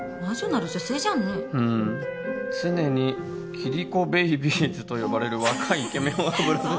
キリコベイビーズ”と呼ばれる若いイケメンをはべらせて」